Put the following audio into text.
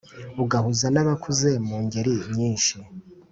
Ugahuza n'abakuze mu ngeli nyinshi